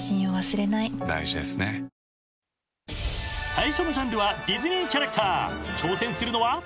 ［最初のジャンルは「ディズニーキャラクター」挑戦するのは？］